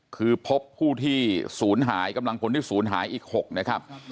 คือพบผู้ที่ศูนย์หายกำลังพลที่ศูนย์หายอีก๖นะครับ